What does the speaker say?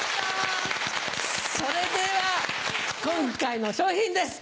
それでは今回の賞品です。